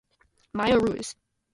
Maya Ruiz